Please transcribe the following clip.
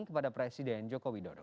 kepada presiden joko widodo